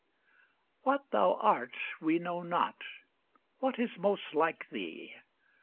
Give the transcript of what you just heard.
What thou art we know not; What is most like thee?